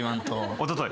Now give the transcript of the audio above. おととい。